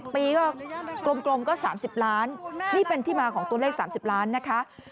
ปีก็กลมก็๓๐ล้านนี่เป็นที่มาของตัวเลข๓๐ล้านนะคะ